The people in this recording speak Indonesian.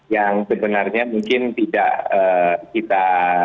yang sebenarnya mungkin tidak kita